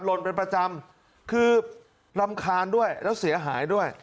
ลนเป็นประจำคือรำคาญด้วยแล้วเสียหายด้วย